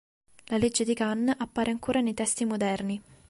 La legge di Gunn appare ancora nei testi moderni.